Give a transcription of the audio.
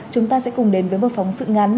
chúng ta sẽ cùng đến với một phóng sự ngắn